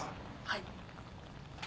はい？